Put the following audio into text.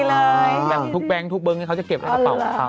แบบทุกแบงค์ทุกเบิ้งเขาจะเก็บในกระเป๋าของเขา